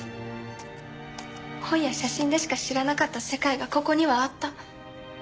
本や写真でしか知らなかった世界がここにはあった。